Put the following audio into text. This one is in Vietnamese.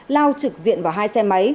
lao trực diện vào hai xe máy